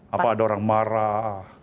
apa ada orang marah